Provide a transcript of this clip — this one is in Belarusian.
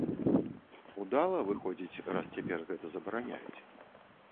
Удала, выходзіць, раз цяпер гэта забараняюць.